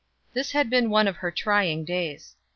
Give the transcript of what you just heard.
This had been one of her trying days.